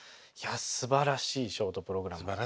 いやすばらしいショートプログラム。